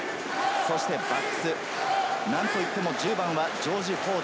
バックス、なんといっても１０番のジョージ・フォード。